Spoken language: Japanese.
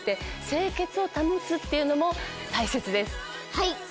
はい！